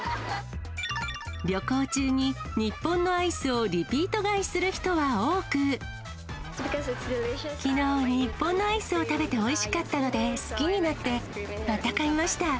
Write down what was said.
旅行中に日本のアイスをリピきのう、日本のアイスを食べておいしかったので、好きになって、また買いました。